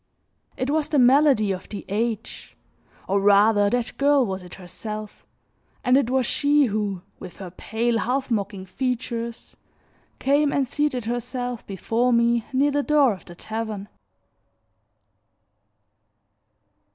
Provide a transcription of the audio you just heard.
It was the malady of the age, or rather that girl was it herself; and it was she who, with her pale, half mocking features, came and seated herself before me near the door of the tavern.